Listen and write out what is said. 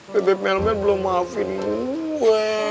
bebep melmel belum maafin gue